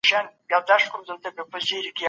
دا کیسه د دود پر وړاندې ولاړه ده.